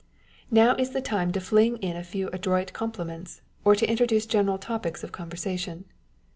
Now is the time to fling in a few adroit compliments, or to introduce general topics of conversation.